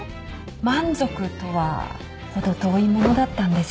満足とは程遠いものだったんです。